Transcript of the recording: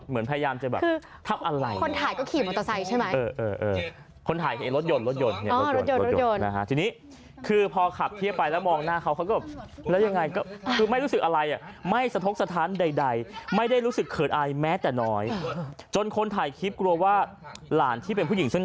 เหมือนพยายามจะแบบทำอะไร